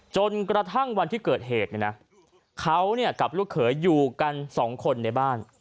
จนกระทั่งวันที่เกิดเหตุเนี่ยนะเขากับลูกเขยอยู่กันสองคนในบ้าน